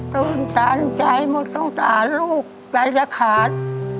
ตื่นตันใจหมดสงสารลูกใจจะขาด